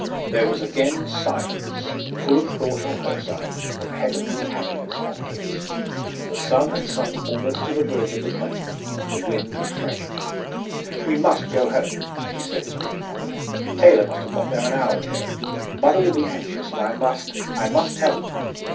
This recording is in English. There was again silence, full of thought on her side, of heavenly happiness on his. The sun had sunk almost to the verge of the plain, the wind had freshened. "We must go home," she said, springing up. "Taylor must have got there an hour ago. Mother will be anxious, and I must I must tell them."